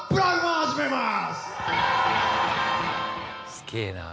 すげえな！